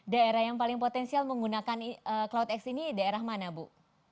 daerah yang paling potensial menggunakan cloudx ini daerah mana bu